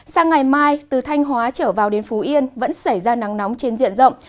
sang ngày mai từ thanh hóa trở vào đến phú yên vẫn xảy ra nắng nóng trên diện rộng